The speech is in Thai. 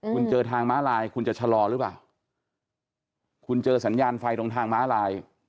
คุณเจอทางม้าลายคุณจะชะลอหรือเปล่าคุณเจอสัญญาณไฟตรงทางม้าลาย